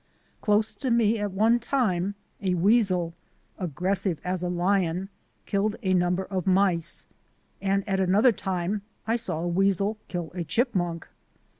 Close to me at one time a weasel, aggressive as a lion, killed a number of mice, and at another time I saw a weasel kill a chipmunk.